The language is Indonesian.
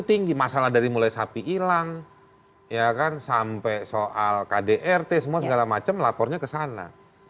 tinggi masalah dari mulai sapi hilang ya kan sampai soal kdrt semua segala macam lapornya ke sana